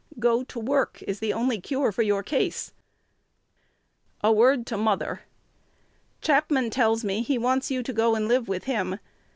Go to work is the only cure for your case. A word to mother. Chapman tells me he wants you to go and live with him.